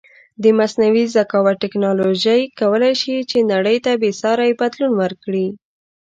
د مصنوعې زکاوت ټکنالوژی کولی شې چې نړی ته بیساری بدلون ورکړې